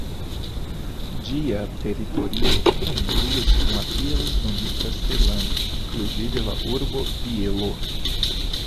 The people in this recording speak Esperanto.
Ĝia teritorio kongruas kun la tiel nomita Seeland inkluzive la urbo Bielo.